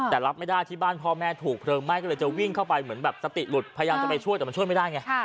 แต่รับไม่ได้ที่บ้านพ่อแม่ถูกเพลิงไหม้ก็เลยจะวิ่งเข้าไปเหมือนแบบสติหลุดพยายามจะไปช่วยแต่มันช่วยไม่ได้ไง